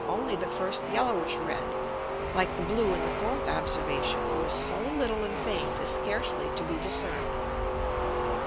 Only the first yellowish red, like the blue in the fourth Observation, was so little and faint as scarcely to be discern'd.